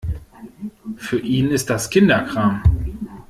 Für ihn ist das Kinderkram.